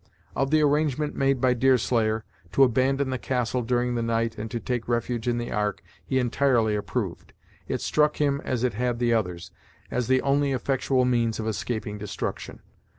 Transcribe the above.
Of the arrangement made by Deerslayer, to abandon the castle during the night and to take refuge in the ark, he entirely approved. It struck him as it had the others, as the only effectual means of escaping destruction.